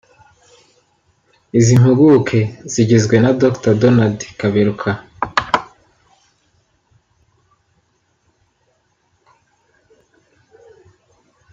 Izi mpuguke zigizwe na Dr Donald Kaberuka